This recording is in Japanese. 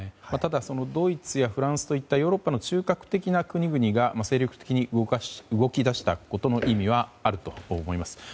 ただ、ドイツやフランスといったヨーロッパの中核的な国々が精力的に動き出したことの意味はあると思います。